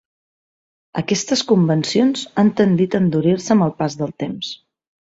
Aquestes convencions han tendit a endurir-se amb el pas el temps.